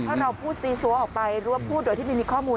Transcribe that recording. เพราะเราพูดซีซัวออกไปหรือว่าพูดโดยที่ไม่มีข้อมูล